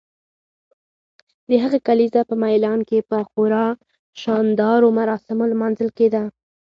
د هغه کلیزه په میلان کې په خورا شاندارو مراسمو لمانځل کیده.